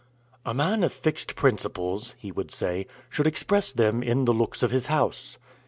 "A man of fixed principles," he would say, "should express them in the looks of his house.